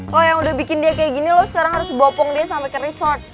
kalau yang udah bikin dia kayak gini loh sekarang harus bopong dia sampai ke resort